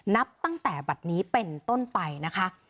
นับตั้งแต่บัตรนี้เป็นต้นไปนะคะ